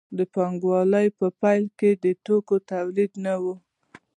د پانګوالۍ په پیل کې د توکو تولید نه و.